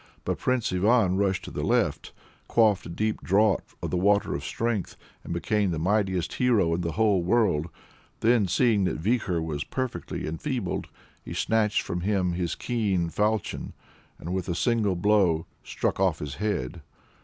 But Prince Ivan rushed to the left, quaffed a deep draught of the Water of Strength, and became the mightiest hero in the whole world. Then seeing that Vikhor was perfectly enfeebled, he snatched from him his keen faulchion, and with a single blow struck off his head.